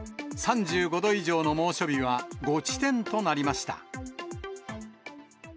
３５度以上の猛暑日は５地点となりました。